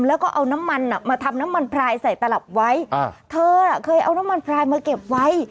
แล้วก็เอาน้ำมันอ่ะมาทำน้ำมันพลายใส่ตลับไว้อ่าเธอน่ะเคยเอาน้ำมันพลายมาเก็บไว้